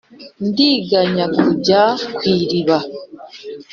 ndiganya kujya ku iriba.